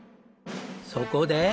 そこで。